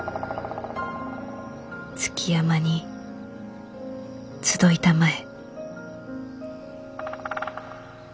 「築山に集いたまえ」。